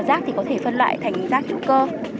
rác thì có thể phân loại thành rác hữu cơ